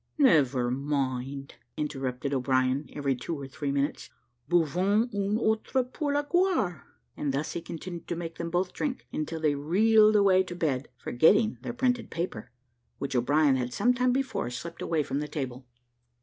"Never mind," interrupted O'Brien, every two or three minutes; "buvons un autre coup pour la gloire!" and thus he continued to make them both drink, until they reeled away to bed, forgetting their printed paper, which O'Brien had some time before slipped away from the table.